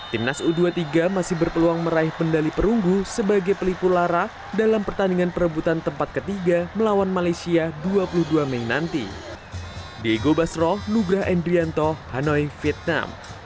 timnas u dua puluh tiga sintayong menyesalkan peluang yang gagal dikonversi menjadi gol oleh anak anak asuhnya